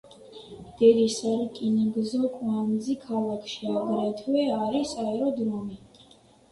დიდი სარკინიგზო კვანძი, ქალაქში აგრეთვე არის აეროდრომი.